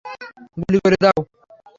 গুলি করে দাও!